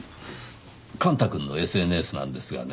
幹太くんのＳＮＳなんですがね。